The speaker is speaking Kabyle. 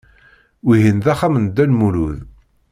Wihin d axxam n Dda Lmulud.